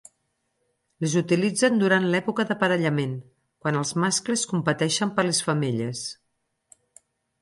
Les utilitzen durant l'època d'aparellament, quan els mascles competeixen per les femelles.